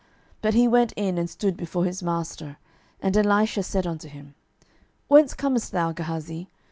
12:005:025 But he went in, and stood before his master. And Elisha said unto him, Whence comest thou, Gehazi?